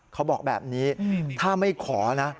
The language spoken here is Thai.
เขาบอกแบบนี้ถ้าไม่ขอนะ